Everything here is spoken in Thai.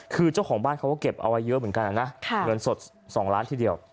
คือเจ้าของบ้านเขาก็เก็บเอาไว้เยอะเหมือนกันนะเงินสด๒ล้านทีเดียว